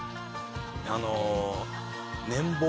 あの。